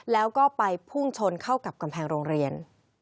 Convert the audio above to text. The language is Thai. แล้วก็ไปพุ่งชนเข้ากับกำแพงโรงเรียน